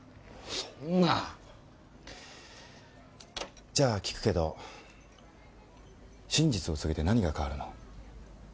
そんなじゃあ聞くけど真実を告げて何が変わるの？